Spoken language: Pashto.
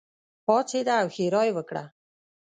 پاڅېده او ښېرا یې وکړه.